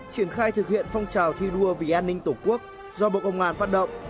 triển khai thực hiện phong trào thi đua vì an ninh tổ quốc do bộ công an phát động